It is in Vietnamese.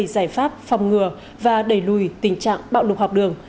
bảy giải pháp phòng ngừa và đẩy lùi tình trạng bạo lục học đường